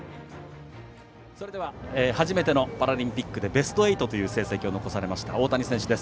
それでは初めてのパラリンピックでベスト８という成績を残された大谷選手です。